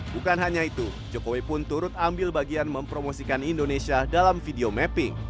bukan hanya itu jokowi pun turut ambil bagian mempromosikan indonesia dalam video mapping